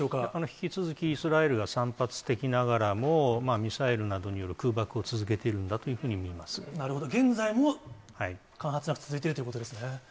引き続きイスラエルが散発的ながらも、ミサイルなどによる空爆を続けているんだというふうになるほど、現在もが続いているということですね。